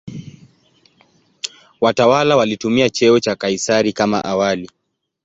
Watawala walitumia cheo cha "Kaisari" kama awali.